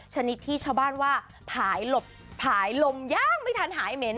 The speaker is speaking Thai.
ชนิดที่ชาวบ้านว่าผายลมย่างไม่ทันหายเหม็น